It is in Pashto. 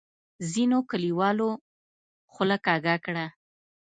ځینو کلیوالو خوله کږه کړه.